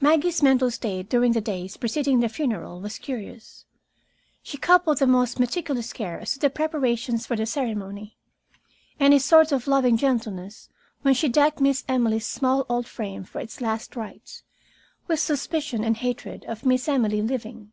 Maggie's mental state during the days preceding the funeral was curious. She coupled the most meticulous care as to the preparations for the ceremony, and a sort of loving gentleness when she decked Miss Emily's small old frame for its last rites, with suspicion and hatred of Miss Emily living.